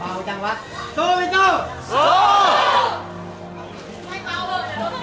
เบาจังวะสู้ฟิ้นสู้สู้